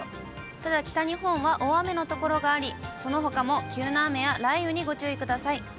ただ、北日本は大雨の所があり、そのほかも急な雨や雷雨にご注意ください。